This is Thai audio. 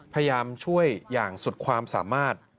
พยายามช่วยอย่างสุดความสามารถ